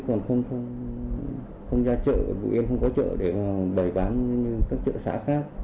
chứ còn không ra chợ bụi em không có chợ để bày bán như các chợ xã khác